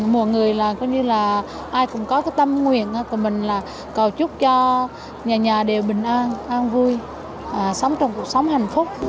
mọi người là ai cũng có tâm nguyện của mình là cầu chúc cho nhà nhà đều bình an an vui sống trong cuộc sống hạnh phúc